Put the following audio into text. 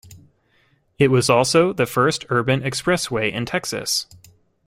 It was also the first urban expressway in Texas.